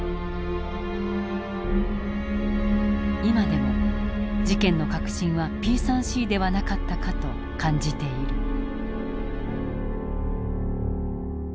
今でも事件の核心はＰ３Ｃではなかったかと感じている。